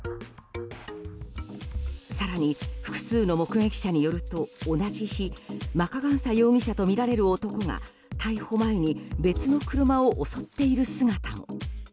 更に複数の目撃者によると同じ日マカガンサ容疑者とみられる男が逮捕前に別の車を襲っている姿も。